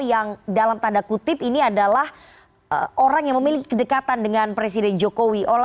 yang dalam tanda kutip ini adalah orang yang memiliki kedekatan dengan presiden jokowi